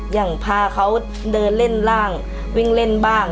อย่างพาเขาเดินเล่นร่างวิ่งเล่นบ้าง